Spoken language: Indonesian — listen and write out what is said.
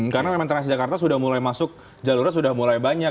karena reman transjakarta sudah mulai masuk jalurnya sudah mulai banyak